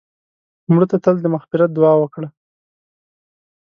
مړه ته تل د مغفرت دعا وکړه